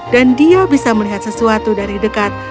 dan dia bisa melihat sesuatu dari dekat